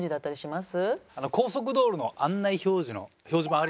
高速道路の案内表示の表示板ありますよね。